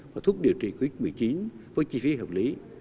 và thuốc điều trị covid một mươi chín với chi phí hợp lý